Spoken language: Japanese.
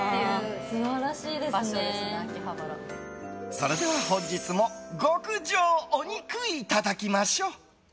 それでは、本日も極上お肉いただきましょう。